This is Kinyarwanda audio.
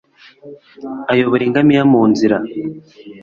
Ayobora ingamiya mu nzira